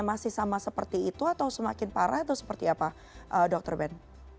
masih sama seperti itu atau semakin parah atau seperti apa dr ben